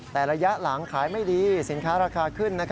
แต่ระยะหลังขายไม่ดีสินค้าราคาขึ้น